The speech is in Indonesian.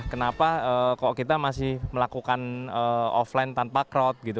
kenapa kok kita masih melakukan offline tanpa crowd gitu